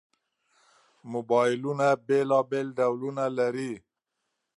موبایلونه بېلابېل ډولونه لري.